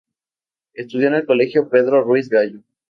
Estudió en el Colegio Pedro Ruiz Gallo.